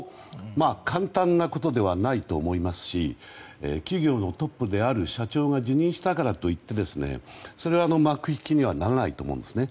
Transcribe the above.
簡単なことではないと思いますし企業のトップである社長が辞任したからといってそれで幕引きにはならないと思うんですね。